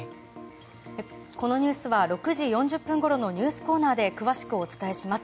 このニュースは６時４０分ごろのニュースコーナーで詳しくお伝えします。